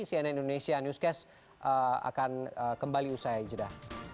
cnn indonesia newscast akan kembali usai jeda